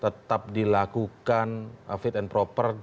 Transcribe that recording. tetap dilakukan fit and proper